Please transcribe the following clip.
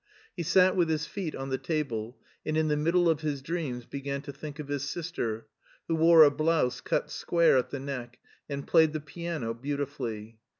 He sat with his feet on the table, and in the middle of his dreams began to think of his sister, who wore a blouse cut square at the neck and played the piano beautifully.